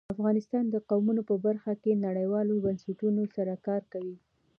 افغانستان د قومونه په برخه کې نړیوالو بنسټونو سره کار کوي.